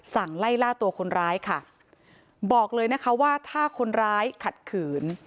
สั่งไล่ล่าตัวคนร้ายบอกเลยว่าถ้าคนร้ายขาดขืน